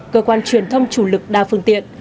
cơ quan truyền thông chủ lực đa phương tiện